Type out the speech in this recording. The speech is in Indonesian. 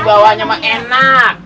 bawahnya mah enak